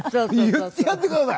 言ってやってください。